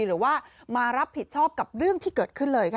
หรือว่ามารับผิดชอบกับเรื่องที่เกิดขึ้นเลยค่ะ